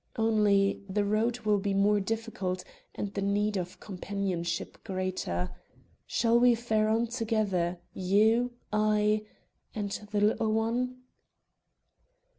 Only, the road will be more difficult and the need of companionship greater. Shall we fare on together, you, I and the little one?"